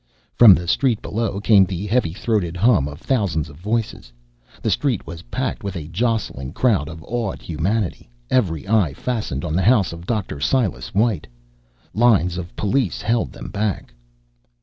From the street below came the heavy throated hum of thousands of voices. The street was packed with a jostling crowd of awed humanity, every eye fastened on the house of Dr. Silas White. Lines of police held them back.